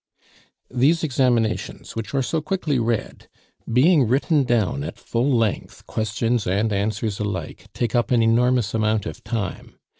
These examinations, which are so quickly read, being written down at full length, questions and answers alike, take up an enormous amount of time.